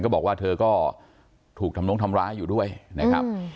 บอกว่าเธอก็ถูกทำน้องทำร้ายอยู่ด้วยนะครับ